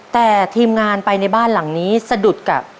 แต่ทีมงานไปในบ้านหลังนี้สะดุดกับ